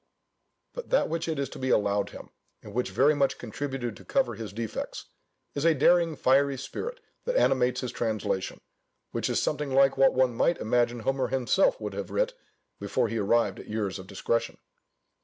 But that which is to be allowed him, and which very much contributed to cover his defects, is a daring fiery spirit that animates his translation, which is something like what one might imagine Homer himself would have writ before he arrived at years of discretion.